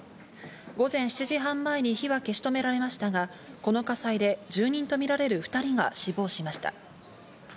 午前７時半前に火は消し止められましたが、この火災で住人とみられる２人が死亡しました。